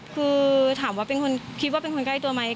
คือถามว่าเป็นคนคิดว่าเป็นคนใกล้ตัวไหม